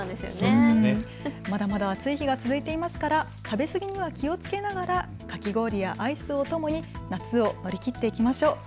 まだまだ暑い日が続いていますから食べ過ぎには気をつけながらかき氷やアイスをお供に夏を乗り切っていきましょう。